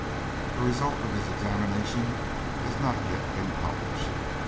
The result of his examination has not yet been published.